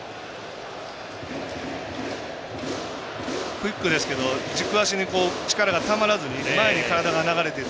クイックですけど軸足に力がたまらずに前に体が流れている。